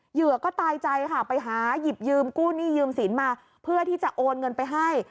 เหยื่อก็ตายใจค่ะไปหาหยิบยืมกู้หนี้ยืมสินมาเพื่อที่จะโอนเงินไปให้